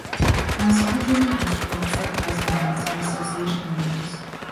Almost all German astronauts and cosmonauts are association members.